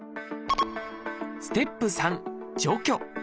ステップ３「除去」。